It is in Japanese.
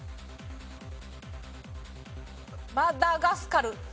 『マダガスカル』。